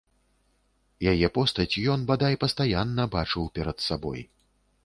Яе постаць ён бадай пастаянна бачыў перад сабой.